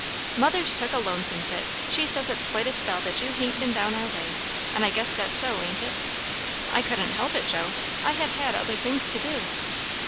"Mother's took a lonesome fit. She says it's quite a spell that you hain't ben down our way; and I guess that's so, ain't it?" "I couldn't help it, Joe. I have had other things to do."